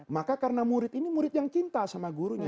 maka karena murid ini murid yang cinta sama gurunya